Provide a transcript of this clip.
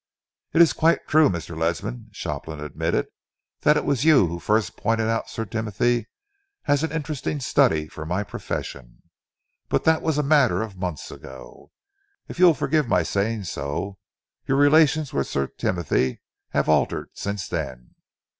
"It is quite true, Mr. Ledsam," Shopland admitted, "that it was you who first pointed out Sir Timothy as an interesting study for my profession, but that was a matter of months ago. If you will forgive my saying so, your relations with Sir Timothy have altered since then.